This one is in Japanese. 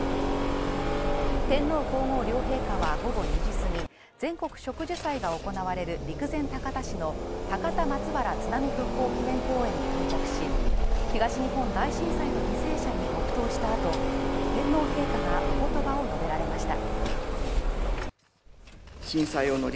天皇皇后両陛下は午後２時すぎ全国植樹祭が行われる陸前高田市の高田松原津波復興祈念公園に到着し、東日本大震災の犠牲者に黙とうしたあと、天皇陛下がおことばを述べられました。